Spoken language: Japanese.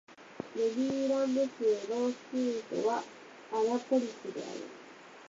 メリーランド州の州都はアナポリスである